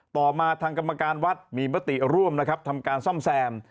ต่อมาทางกรรมการวัดมีมติร่วมนะครับทำการซ่อมแซม